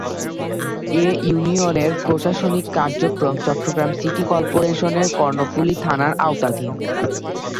এ ইউনিয়নের প্রশাসনিক কার্যক্রম চট্টগ্রাম সিটি কর্পোরেশনের কর্ণফুলী থানার আওতাধীন।